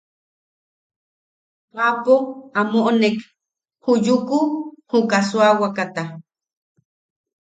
Aapo a moʼonek ju Yuku juka suawakata.